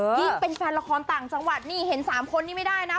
ยิ่งเป็นแฟนละครต่างจังหวัดนี่เห็น๓คนนี้ไม่ได้นะ